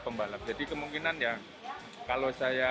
pembalap jadi kemungkinan ya kalau saya